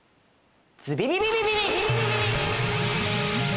ズビビビビビビ！